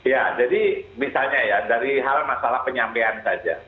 ya jadi misalnya ya dari hal masalah penyampaian saja